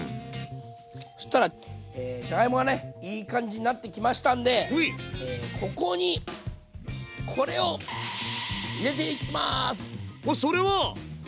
そしたらじゃがいもがねいい感じになってきましたんでここにこれを入れていきます！